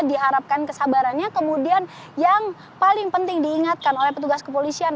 diharapkan kesabarannya kemudian yang paling penting diingatkan oleh petugas kepolisian